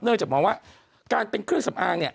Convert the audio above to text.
เนื่องจากบอกว่าการเป็นเครื่องสำอางเนี้ย